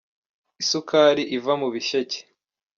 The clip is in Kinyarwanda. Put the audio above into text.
isukari iva mu ibishecye